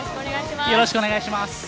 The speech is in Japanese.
よろしくお願いします。